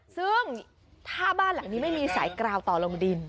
ซึ่งถ้าบ้านหลังนี้ไม่มีสายกราวต่อลงดิน